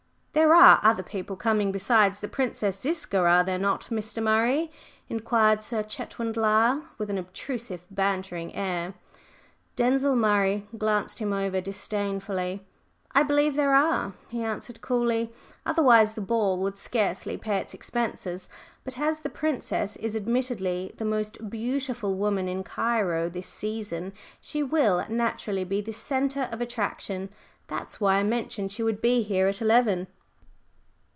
"There are other people coming besides the Princess Ziska, are there not, Mr. Murray?" inquired Sir Chetwynd Lyle, with an obtrusively bantering air. Denzil Murray glanced him over disdainfully. "I believe there are," he answered coolly. "Otherwise the ball would scarcely pay its expenses. But as the Princess is admittedly the most beautiful woman in Cairo this season, she will naturally be the centre of attraction. That's why I mentioned she would be here at eleven."